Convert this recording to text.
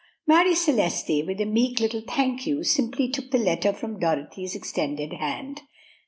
Marie Celeste, with a meek little "thank you," simply took the letter from Dorothy's extended hand.